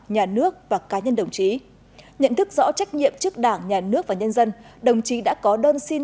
nhà nước và cá nhân đồng chí nhận thức rõ trách nhiệm trước đảng nhà nước và nhân dân đồng chí đã có đơn xin